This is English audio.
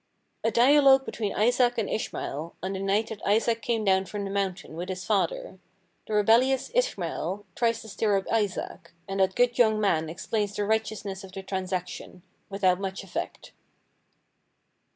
A Dialogue between Isaac and Ishmael on the night that Isaac came down from the mountain with his father. The rebellious Ishmael tries to stir up Isaac, and that good young man explains the righteousness of the transaction—without much effect.